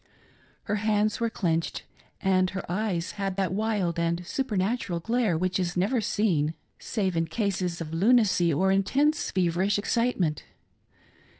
Her hands were clenched, and her eyes had that wild and supernatural glare which is never seen, save in cases of lunacy or intense feverish excite ment.